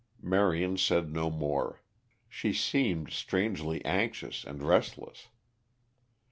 Marion said no more. She seemed strangely anxious and restless.